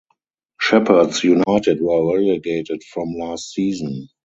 Shepherds United were relegated from last season.